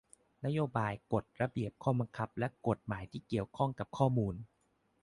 นโยบาย กฎ ระเบียบ ข้อบังคับ และกฎหมายที่เกี่ยวข้องกับข้อมูล